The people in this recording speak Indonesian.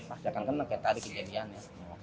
pasti akan kena kayak tadi kejadiannya